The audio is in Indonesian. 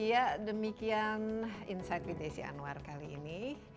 ya demikian insight with desi anwar kali ini